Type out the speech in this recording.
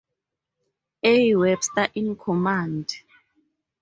A. Webster in command.